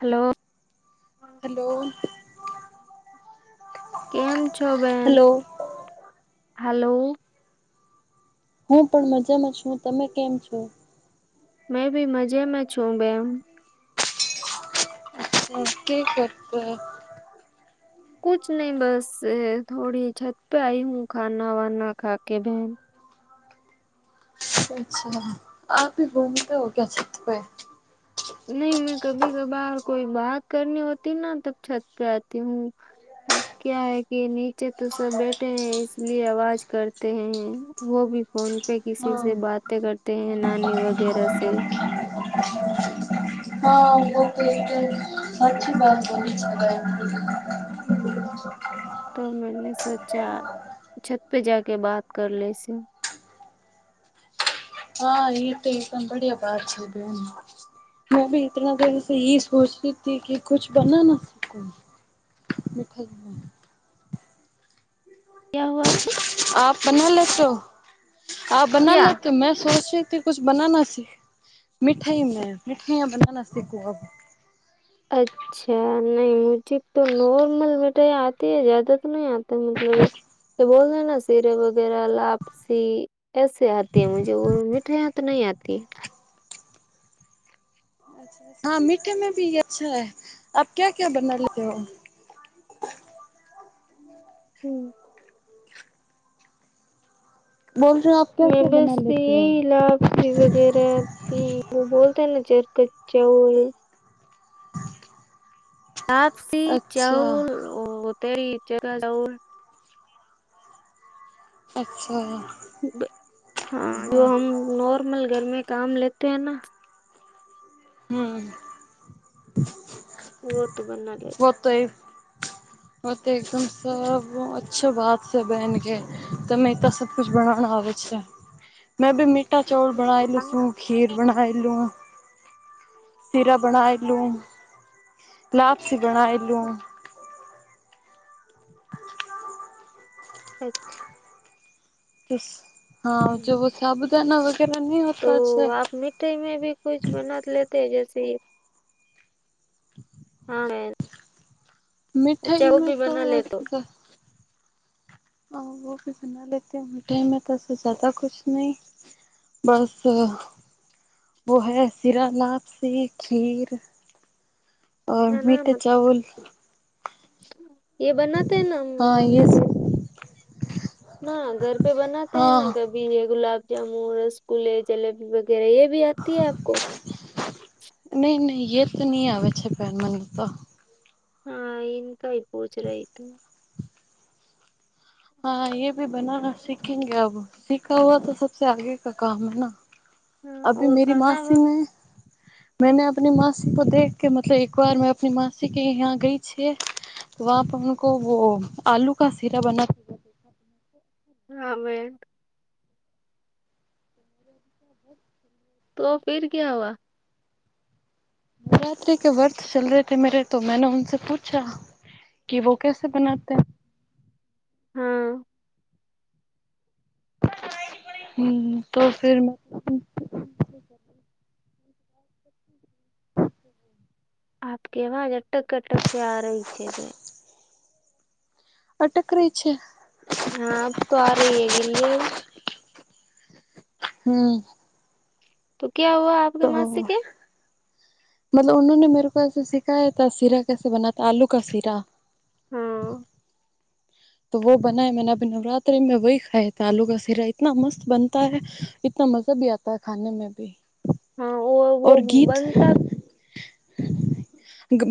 Hello hello કેમ છો બેન હેલો હાલો હું પણ મજામાં છું તમે કેમ છો મેં ભી મજેમાં છું બેન કે કરતો કુછ નહી બસ થોડી છત પ આઈ હું ખા વના ખા કે બહેન અચ્છા આપી ઘૂમતે હો ક્યા છત પે નહી મેં કભી કભાર કોઈ બાત કરની હોતી ના ત છત પે આતી હું ક્યા હૈ કે નીચે તો સબ બેઠે હૈ ઇસ્લાયે આવાજ કરતે હૈ વો ભી ફોન પે કસી સ હા બાત કરતે હૈ નાની વગેરા શે હા બ સાચી વાત બોળી ગયા છે [inaudible] તો મેને સોચા છત પે જાકે બાત કર લે શી હા [unintelligible] મેં ભી ઇતના દિન યેહી સોચતી થી કી કુછ બનાના મીઠાય મે [inaudible] ક્યા હુવા છે આપ બના લેતો આપ બના ક્યા લેતો મેં સોચ્યું થી કુછ બનાના સીખ મીઠાઈ મે મીઠાઈયા બનાના સીખું અચ્છા નહી મુછી તો નોર્મલ મિઠાઈ આતી જ્યાદા તો નહી આતી [unintelligible] સીરે વગેરા લાપસી એસે આતી હ મુજ મીઠાઈ હ તો નહી આતી હા મીઠે મે ભી અચ્છા હૈ આપ ક્યા ક્યા બના લેતે હો હમ બોલ રહ આપ મેં બસ યેહી લાભ લી વગેરા હ બોલતા ચરકત ચવલ લાપસી ચાઉલ તેરી [unintelligible] અચછા હા જો હમ નોર્મલ ઘરમે કામ લેતે હૈ ના હમ ઓહત તો બના લે. પોતે હો તો એકદમ સ અચ્છા વાત છે બન કે તમેતા સક બનાના આવેે છે મેં ભી મીઠા ચાલ બનાયેલું છું, ખીર બનાયલું, સિરા બના એલું, લાપસી બના એલું, [unintelligible] [inaudible] [unintelligible] હા જો સાબુદાના વગેરે નહીં હોતા છે. [unintelligible] હા. મીઠાઈમાં તો હ ભી બના લેતી હ ઉલ ટ મે તો જદા કુશ નહી બસ વ હૈ, શિરા, લાપસી, ખીર, મીઠા ચાવલ, એ બનાતે હે ના ઘર ના ઘર પે બનાતે હૈ ના કભી ગુલાબ જામુન, રસગુલ્લે, જલેબી વગેરે એ આતી આપકો નહી નહી એ તો નહી આવે છે પેર મને તો હા એનકઈ પૂજરાયતું હા એ ભી બનાના સીખેંગે અ સીખા હુવા તો સબસે આગે કા કામ હૈ. અભી મેરી માસીને મેને આપની મોસી કો દે કે મતલબ એક વાર મે આપની માસી કે યા ગઈ છીએ તોકો વ આલુ કા સીરા બના હા બેવે [inaudible] તો ફિર ક્યા હૂઆ નવરાત્રી કે વ્રત ચલ ર થે મેરે તો મેને સે પૂછા. કે વો કેસે બનાતે. હા. હમ તો ફિર મે આપકેવા અટકટકે આ રહી છેે. અટકરી છે. હા આપ તો આ રહી [unintelligible] હમ્મ તો ક્યા હૂઆ આપગ મોસી કે. મતલબ ને મેરે કો એસે સીખાયા ત સીરા કેસે બનાતા આલુ કે સીરા હા. તો વ બના મે અ નવરાત્રીમે વહી ખાયા થા આલુ કા સીરા ઇતના મસ્ત બનતા હે. ઇતના મજા ભી આતા હે, ખાને મે ભી ઓર ગીત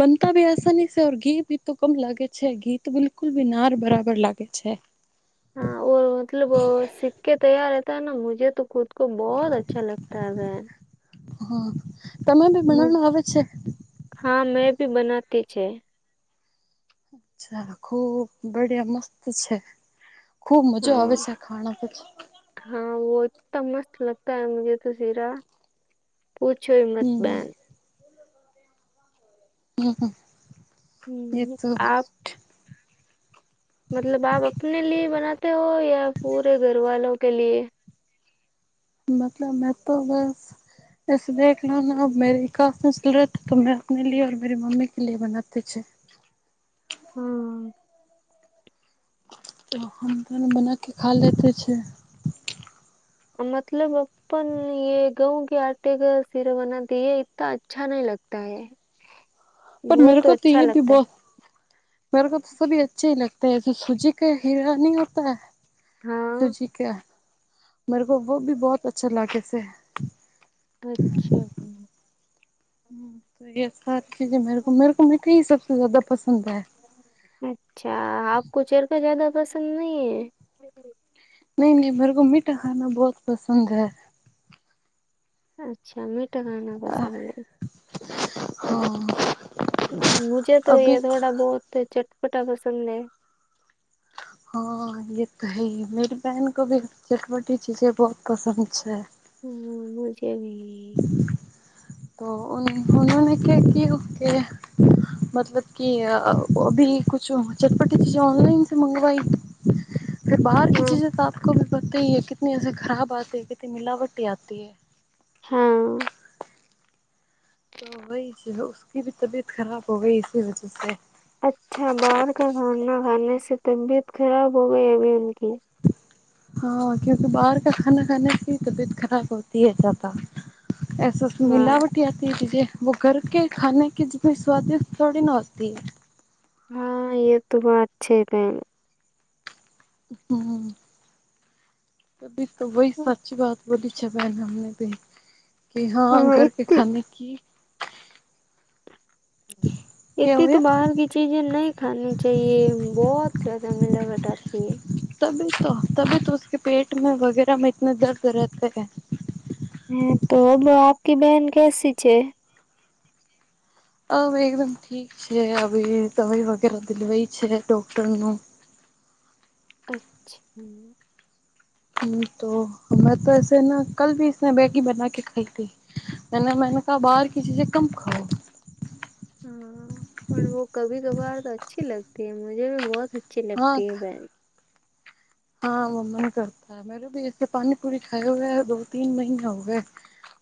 બનતા ભી આસની છેર ઘી ભી તો કમ લાગે છે ગીત બિલકુલ ભી નાર બરાબર લાગે છે. હા ઓ મતલબ કે તૈયાર રહેતા મુજે તો ખુદ કો બહુત અચ્છા લગતા હૈ વે હા તમે ભી બનાવણ આવે છે. હા મેં ભી બનાતી છે. અચ્છા ખુબ બડિયા મસ્ત છે. ખુબ મજા આવે છે આ ખાણા પછી હા વોતો મસ્ત લગતા હે મુજે તો સીરા પૂછો હિમતબન [unintelligible] એ હમ્મ તો આપ. મતલબ આપ આપને લી બનાતે હો યા પૂરે ઘરવાલો કે લીએ. મતલબ મે તો બસ બસ દેખલો ના અબ મેરી કાફીસુરત તો મેં આપને લીએ મેરી મમી કે લીએ બનાતી છે. હા. તો હમ દોને બના કે ખા લેતે છે. મતલબ પણ એ ગઉં કે આટે કા ફેરવના દીયે ઇતના અચ્છા નહીં લગતા હે. પર મે કો તો એ ભી બોહુ મેરે તો સભી અચ્છે હ લગતા હ સુજી ક હીરાની હોતા સુજી કા મરેકો વોભી બહત અચ્છા લાગ છે. અચ્છા હ હમ તો એ સાર ચીજે મે મીઠી સથી જ્યાદા પસંદ હૈ અચ્છા આપ કો ચેરકા જ્યાદા પસંદ નહીંહે નઈ નઈ મેરે કો મીઠા ખાના બહોત પસંદ હે અચ્છા મીઠા ખાના પસંદ હે અ મુજે તો એ થોડા બહુત ચટપટા પસંદ હે. હા એ તો હૈ મેરી બહેન કો ભી ચટપટી ચીજે બહુત પસંદ છે. હમ્મ મુજેભી તો ઓન ઓનોને કેકિઓ કે મતલબ કી અભી કુછ ચટપટી ચીજ ઓનલાઈન સે મંગવાઈ બહાર કી ચીજે કાફી કોભિ પતૈ હે કતની ખરાબ આતી હૈ કની મિલાવટી આતી હા તો વહી જી ઉસકીભી તબીયત ખરાબ હો ગઈ ઇસીકી વજહ સે અચ્છા બહાર કા ખાના ખાને સે તબીયત ખરાબ હો ગઈ અભી ઉનકી હા ક્યોંકિ બહાર કા ખાના ખાને સે હિ તબિયત ખરાબ હોતી હ જ્યાદા એસસ મિલાવટી આતી તીજે વ ઘર કે ખાને કે જીની સ્વાદિષ્ટ થોડી ના હોતી. હા એ તો બાત છે તેરી. હમ ત બી તો વહી સાચી વાત બોલીચછા બહેનમને ભી કે હા ઘર કે ખાને કી એતે તો બહાર કી ચીજે નહી ખાની જએ બહોત ફાયદા મલાવટ આતીએ તબી તો તબી તોકે પેટ વગેરામાં ઈત્ના દર્દ રહેતા હે હ તો આપકી બહેન કેસી છે હવે એકદમ ઠીક છે આવી દવાઈ વગેરે દિલવાઈ છે ડોક્ટર નું અચ્છા હ તો હમને તો એસે ના કલ ભી ને મેગી બના કે ખાઈ તી. અને મેને કા બહાર કસીસે કમ ખાઓ. હા પણ વો કભી કભાર તો અચ્છી લગતી હ મુજે ભી બહુત અચ્છી લગતી હ બેન હા મન કરતા મે ભી એસે પાણીપૂરી ખાયા હોયા દો- તીન મહિના હોવે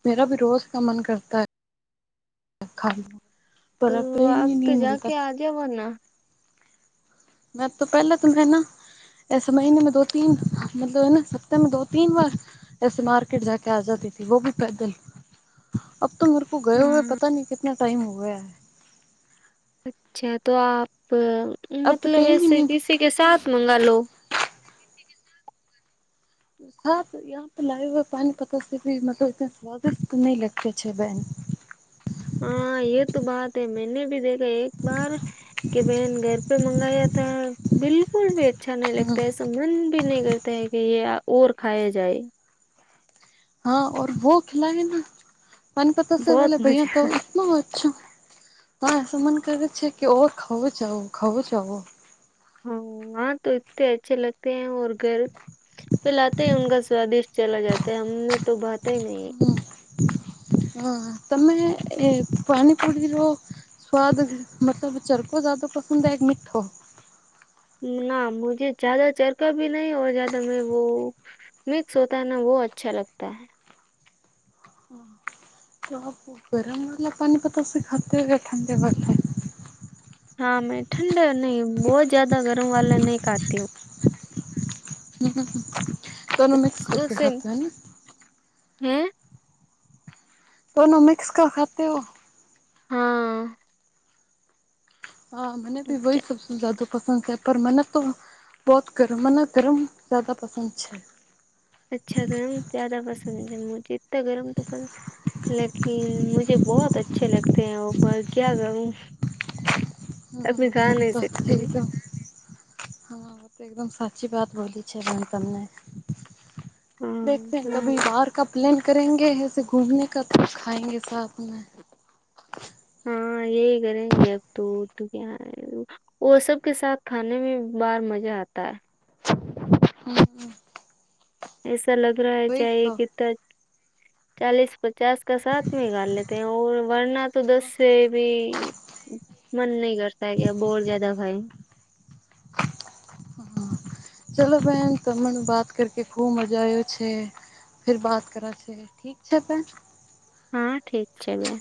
મેરા ભી રોજ કા મન કરતા હે ખાન પર પ્રેમ નહીં મલતા તેવો ન મે તો પહેલા તનેના એસ મહિનેમાં દો તીન મતલબ હેના સપ્તાહમાં દો તીન વાર એસે માર્કેટ જાકે આ જાતી હતી વોભી પેદલ અબ તો મરે કો ગયો હોએ પતા નહી કિતના ટાઈમ હોયા ગયા હૈ અચ્છા તો આપ મતલબ એસે કેસી કે સાથ મંગા લો સા લ હ પાણીપતા ભી મલ સ્વાદિષ્ટ નહી લગતી છે બહેન [inaudible] હા એ તો બાત હૈ મેને ભી દેખ ગ એક બાર કે બહેન ઘર પે મંગાયા ત બિકુલ બે અચ્છા નહી લગતા એસ મન ભી નહી કરતાે કે ઓર ખાયા જાય હા વો ખલાય ના મનપતા વલે ભૈયા તો હો છું, પણ [unintelligible] કરે છે કે ઓર ખવું જવું ખવું જવું હા તો ઇત્તે અચ્છે લગતે હે ઔર ઘર પે લાતે હે ઉનકા સ્વાદિશ ચલા જાતા હમને તો ભાતા હી નહીં હમ હા તમે એ એ પાણી પુડી લો સ્વાદ મતલબ ચરકો જાદો પસંદ હે કે મી્ઠો ના મુજે જ્યાદા ચરકા ભી નહી ઓર જાદા મેં વો મિક્સ હોતા હે ના વો અચ્છા લગતા હૈ હ્મ ગરમ વાલા પાની સે ખાતે હૈ કે ઠંડે પાની સે? હા મેં ઠંડા નઈ બહોત જાદા ગરમ વાલા નહી ખાતી હું હમ્મ દોનો મિક્સ કરકે ખાતે હો ને હૈ દોનો મિક્સ કા ખાતે હો? હા હા મને બી વઇ સબસે જાદો પસંદ છે પર મને તો બોત ગરમ મને ગરમ જાદા પસંદ છે અચ્છા ગરમ જ્યાદ પસંદ છે મુજે તો ગરમ તો લકિ મુજે બહુત અચ્છે લગતે હો પર ક્યા કરું હ તો થ તોમ [unintelligible] હા એકદમ સાચી વાત બોલી છે તમને દેખતે હે કભી બહાર કા પ્લેન કરેંગે એસે ઘૂમને કા ખાાયંગે સાથમે હા યેહી કરેંગે અબ તો તો ઓર સબ કે સાથ ખાને મે બાર મજા આતા હૈ હમ્મ એસા લગ રહા ચાઇ તો કિધર ચાલીસ પચાસ કા સાથમે ખા લેતે હૈ ઔર વરના તો દસ સે ભ મન નહી કરતા કે અબ ઓર જ્યાદા ખાએ ચલો બેહેન તમને વાત કર કે ખુબ મજા આવ્યો છે ફીર બાત કરા છે ઠીક છે અપણ હા ઠીક છે બેન